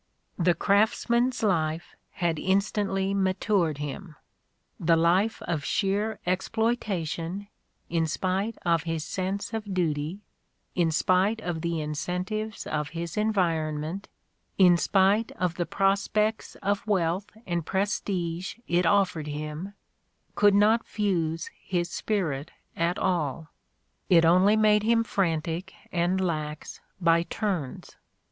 The craftsman 's life had instantly matured him; the life of sheer ex ploitation, in spite of his sense of duty, in spite of the incentives of his environment, in spite of the prospects of wealth and prestige it offered him, could not fuse his spirit at all. It only made him frantic and lax by turns.